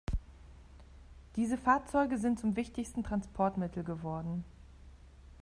Diese Fahrzeuge sind zum wichtigsten Transportmittel geworden.